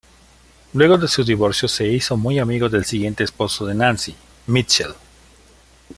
Luego de su divorcio se hizo muy amigo del siguiente esposo de Nancy, Mitchel.